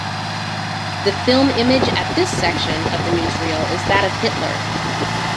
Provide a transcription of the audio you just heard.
The film image at this section of the newsreel is that of Hitler.